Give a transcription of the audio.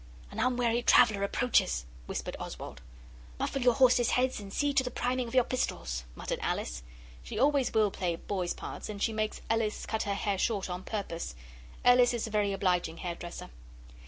'Hist, an unwary traveller approaches!' whispered Oswald. 'Muffle your horses' heads and see to the priming of your pistols,' muttered Alice. She always will play boys' parts, and she makes Ellis cut her hair short on purpose. Ellis is a very obliging hairdresser.